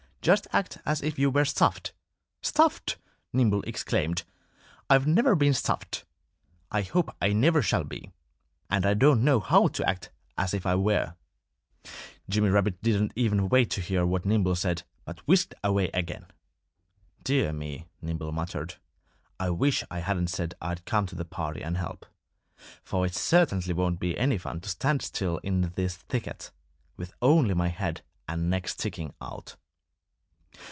Just act as if you were stuffed!" "Stuffed!" Nimble exclaimed. "I've never been stuffed. I hope I never shall be. And I don't know how to act as if I were." Jimmy Rabbit didn't even wait to hear what Nimble said, but whisked away again. "Dear me!" Nimble muttered. "I wish I hadn't said I'd come to the party and help. For it certainly won't be any fun to stand still in this thicket, with only my head and neck sticking out."